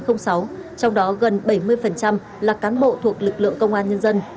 trong đó gần bảy mươi là cán bộ thuộc lực lượng công an nhân dân